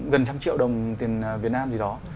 gần trăm triệu đồng tiền việt nam gì đó